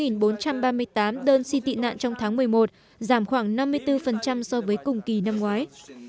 trong năm ngoái bốn trăm ba mươi tám đơn si tị nạn trong tháng một mươi một giảm khoảng năm mươi bốn so với cùng kỳ năm ngoái